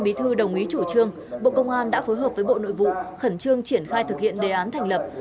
bộ công an đã phối hợp với bộ nội vụ khẩn trương triển khai thực hiện đề án thành lập